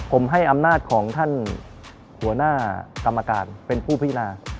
ผมให้อำนาจของท่านหัวหน้ากรรมการเป็นผู้พินา